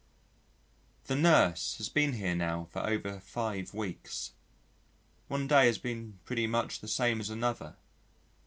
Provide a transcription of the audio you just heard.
The nurse has been here now for over five weeks. One day has been pretty much the same as another.